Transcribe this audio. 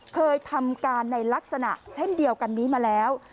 เคยทำการในลักษณะเช่นเดียวกันนี้มาแล้ว